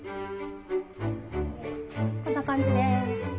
こんな感じです。